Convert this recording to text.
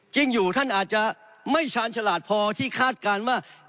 จริงอยู่ท่านอาจจะไม่ชาญฉลาดพอที่คาดการณ์ว่า